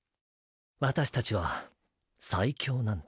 私たちは最強なんだ。